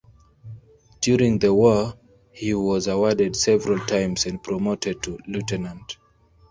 During the war he was awarded several times and promoted to lieutenant.